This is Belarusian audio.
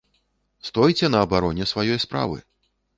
Стойце на абароне сваёй справы!